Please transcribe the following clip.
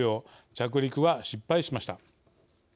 着陸は失敗しました。